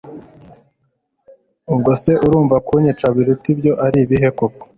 ubwo se urumva kunyica biruta ibyo ari ibihe koko